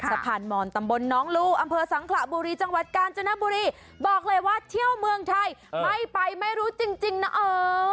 สะพานมอนตำบลน้องลูอำเภอสังขระบุรีจังหวัดกาญจนบุรีบอกเลยว่าเที่ยวเมืองไทยไม่ไปไม่รู้จริงจริงนะเออ